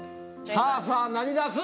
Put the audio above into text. さあさあ何出す？